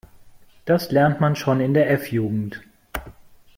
Das lernt man schon in der F-Jugend.